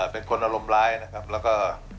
เป็นคนอารมณ์ร้ายนะครับแล้วก็